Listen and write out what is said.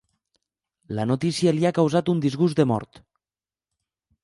La notícia li ha causat un disgust de mort.